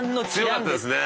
強かったですね。